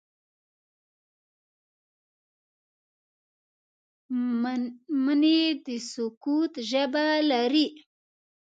مني د سکوت ژبه لري